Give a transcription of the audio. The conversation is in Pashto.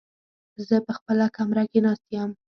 زه په خپله کمره کې ناست يم.